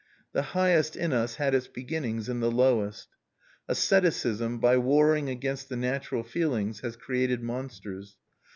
The highest in us had its beginnings in the lowest. Asceticism, by warring against the natural feelings, has created monsters.